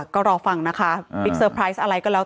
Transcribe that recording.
ก็รอฟังนะคะบิ๊กเซอร์ไพรส์อะไรก็แล้ว